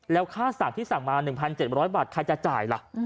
แล้วค่าสั่งที่สั่งมา๑๗๐๐บาทใครจะจ่ายล่ะ